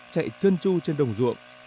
chạy chân chu trên đồng ruộng